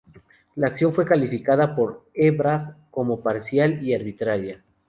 La acción fue calificada por Ebrard como "parcial y arbitraria".